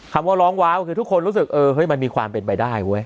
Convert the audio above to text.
คำว่าร้องว้าวคือทุกคนรู้สึกมันมีความเป็นไปได้เว้ย